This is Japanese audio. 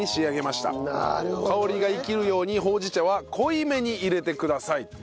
香りが生きるようにほうじ茶は濃いめに入れてくださいという。